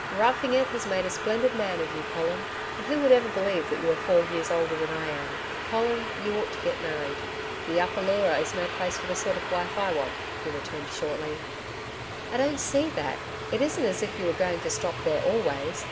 Roughing it has made a splendid man of you, Colin: and who would ever believe that you are four years older than I am. Colin, you ought to get married.' 'The Upper Leura is no place for the sort of wife I want,' he returned shortly. 'I don't see that. It isn't as if you were going to stop there always.